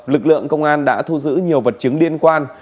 lực lượng công an đã thu giữ nhiều vật chứng liên quan